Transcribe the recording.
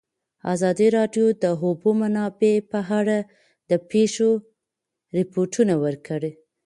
ازادي راډیو د د اوبو منابع په اړه د پېښو رپوټونه ورکړي.